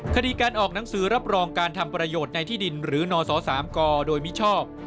คดีการออกหนังสือรับรองการทำประโยชน์ในที่ดินหรือนศ๓กโดยมิชอบ